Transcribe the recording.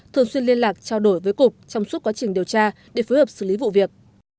thường xuyên liên lạc trao đổi với cục trong suốt quá trình điều tra để phối hợp xử lý vụ việc